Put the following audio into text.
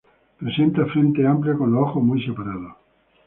Presenta frente amplia con los ojos muy separados.